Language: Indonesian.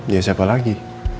ya siapa lagi